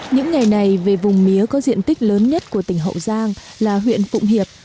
những ngày này về vùng mía có diện tích lớn nhất của tỉnh hậu giang là huyện phụng hiệp